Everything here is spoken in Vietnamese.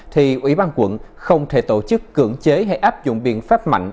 thì ủy ban quận không thể tổ chức cưỡng chế hay áp dụng biện pháp mạnh